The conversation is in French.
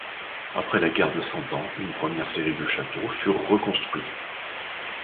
Après la guerre de Cent Ans, une première série de châteaux furent reconstruits.